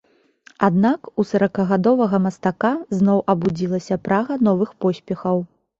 Аднак, у саракагадовага мастака зноў абудзілася прага новых поспехаў.